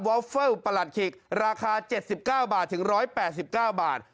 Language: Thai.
วอฟเฟิลประหลัดขิกราคาเจ็ดสิบเก้าบาทถึงร้อยแปดสิบเก้าบาท